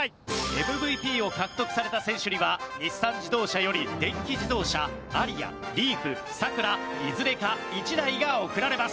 ＭＶＰを獲得された選手には日産自動車より電気自動車アリアリーフサクラいずれか１台が贈られます。